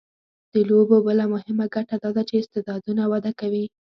د لوبو بله مهمه ګټه دا ده چې استعدادونه وده کوي.